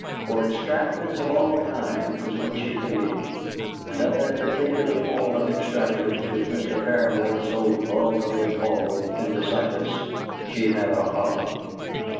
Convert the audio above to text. For extravagance of all kinds was what she hated, and of that particular form of extravagance which Mr. Paramor so vulgarly called "Pendycitis" she had a horror.